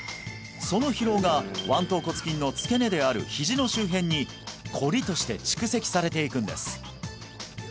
その疲労が腕橈骨筋の付け根であるひじの周辺にこりとして蓄積されていくんです